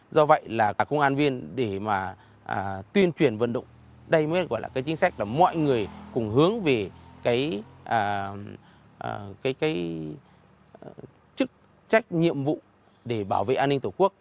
do vậy là cả công an viên để mà tuyên truyền vận động đây mới gọi là cái chính sách là mọi người cùng hướng về cái chức trách nhiệm vụ để bảo vệ an ninh tổ quốc